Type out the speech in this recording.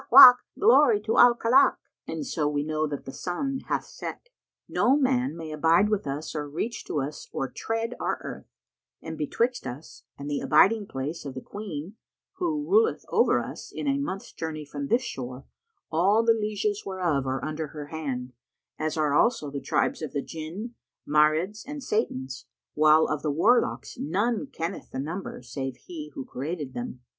Wak! Glory to Al Khallak!' and so we know that the sun hath set. No man may abide with us or reach to us or tread our earth; and betwixt us and the abiding place of the Queen who ruleth over us is a month's journey from this shore, all the lieges whereof are under her hand, as are also the tribes of the Jinn, Marids and Satans, while of the warlocks none kenneth the number save He who created them.